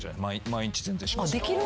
毎日全然しますよ。